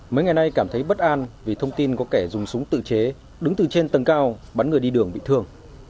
mấy ngày nay cảm thấy bất an vì thông tin có kẻ dùng súng tự chế đứng từ trên tầng cao bắn người đi đường bị thương